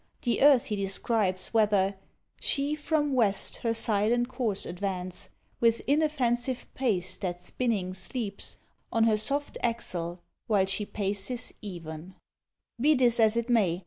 The earth he describes, whether She from west her silent course advance With inoffensive pace that spinning sleeps On her soft axle, while she paces even. Be this as it may!